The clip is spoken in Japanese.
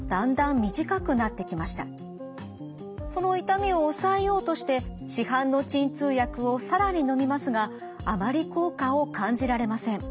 その痛みを抑えようとして市販の鎮痛薬を更にのみますがあまり効果を感じられません。